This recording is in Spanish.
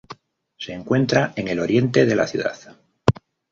Se encuentra en el oriente de la ciudad.